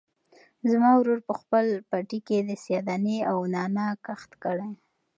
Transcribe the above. زما ورور په خپل پټي کې د سیاه دانې او نعناع کښت کړی.